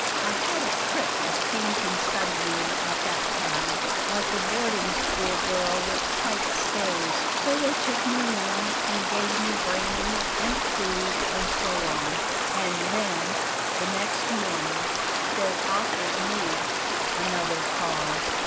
I had a trick of fainting suddenly at that time, like a boarding school girl with tight stays. So they took me in and gave me brandy, and food, and so on; and then the next morning they offered me " Another pause.